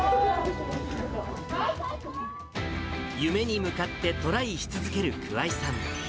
夢に向かってトライし続ける桑井さん。